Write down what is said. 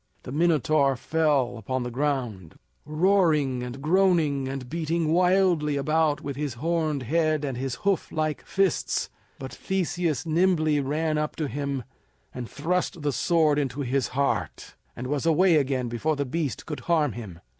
The Minotaur fell upon the ground, roaring and groaning and beating wildly about with his horned head and his hoof like fists; but Theseus nimbly ran up to him and thrust the sword into his heart, and was away again before the beast could harm him.